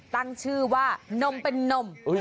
ตั้งชื่อว่านมเป็นนม